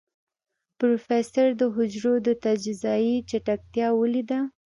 پروفيسر د حجرو د تجزيې چټکتيا وليدله.